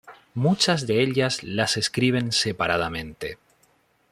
Muchas de ellas las escriben separadamente.